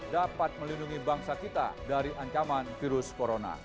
dapat melindungi bangsa kita dari ancaman virus corona